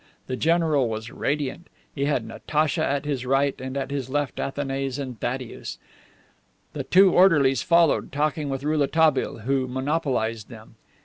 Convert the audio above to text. The general was radiant. He had Natacha at his right and at his left Athanase and Thaddeus. The two orderlies followed, talking with Rouletabille, who had monopolized them.